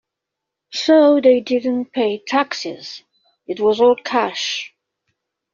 So they didn't pay taxes; it was all cash.